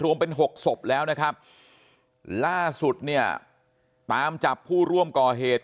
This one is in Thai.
รวมเป็นหกศพแล้วนะครับล่าสุดเนี่ยตามจับผู้ร่วมก่อเหตุ